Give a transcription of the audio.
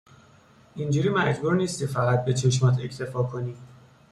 اینجوری مجبور نیستی فقط به چشمات اکتفا کنی